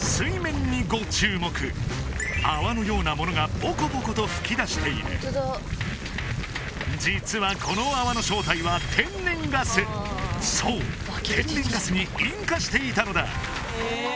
水面にご注目泡のようなものがボコボコと噴き出している実はこの泡の正体はそう天然ガスに引火していたのだえー